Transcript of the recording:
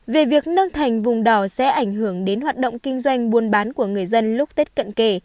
về việc nâng thành vùng đỏ sẽ ảnh hưởng đến hoạt động kinh doanh buôn bán của người dân lúc tết cận kề